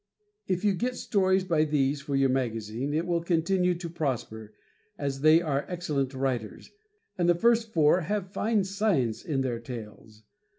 If you get stories by these for your magazine it will continue to prosper, as they are excellent writers, and the first four have fine science in their tales.